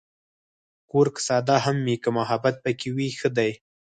کور که ساده هم وي، که محبت پکې وي، ښه دی.